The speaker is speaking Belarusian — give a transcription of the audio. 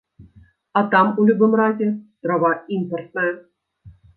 А там у любым разе трава імпартная.